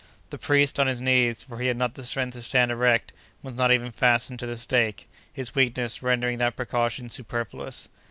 The priest, on his knees, for he had not the strength to stand erect, was not even fastened to the stake, his weakness rendering that precaution superfluous.